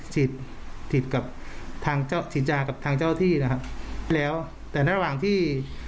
ฉีดฉีดกับทางเจ้าสินจากับทางเจ้าที่นะครับแล้วแต่ระหว่างที่